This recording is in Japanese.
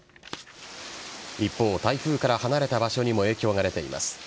一方、台風から離れた場所にも影響が出ています。